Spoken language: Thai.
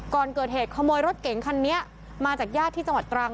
ก่อนเกิดเหตุขโมยรถเก๋งคันนี้มาจากญาติที่จังหวัดตรัง